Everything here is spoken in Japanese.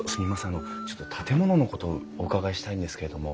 あのちょっと建物のことお伺いしたいんですけれども。